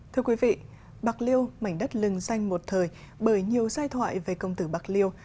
thưa quý vị bạc liêu mảnh đất lừng danh một thời bởi nhiều giai thoại về công tử bạc liêu